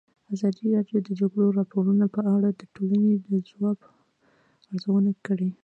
ازادي راډیو د د جګړې راپورونه په اړه د ټولنې د ځواب ارزونه کړې.